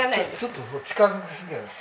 ちょっと近づきすぎやで。